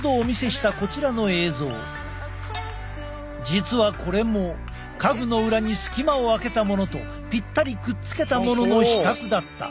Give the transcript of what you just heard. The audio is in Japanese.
実はこれも家具の裏に隙間を空けたものとピッタリくっつけたものの比較だった。